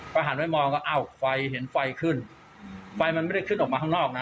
พอหันไว้มองเห็นไฟขึ้นไฟมันไม่ได้ขึ้นออกมาข้างนอกนะ